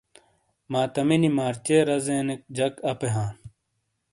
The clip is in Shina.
ماتَمِینی مارچے رزینیک جَک اَپے ہاں۔